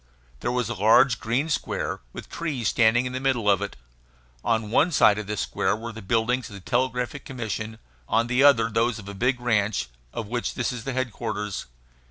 There was a large, green square, with trees standing in the middle of it. On one side of this square were the buildings of the Telegraphic Commission, on the other those of a big ranch, of which this is the headquarters.